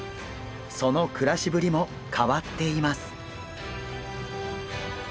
その暮らしぶりも変わっています。